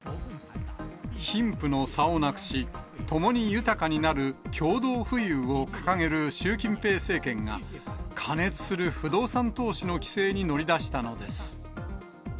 貧富の差をなくし、ともに豊かになる共同富裕を掲げる習近平政権が、過熱する不動産投資の規制に乗り出したのです。